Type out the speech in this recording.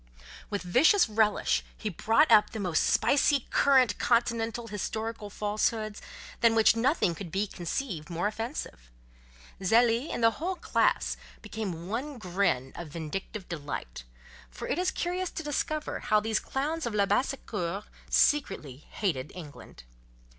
With vicious relish he brought up the most spicy current continental historical falsehoods—than which nothing can be conceived more offensive. Zélie, and the whole class, became one grin of vindictive delight; for it is curious to discover how these clowns of Labassecour secretly hate England.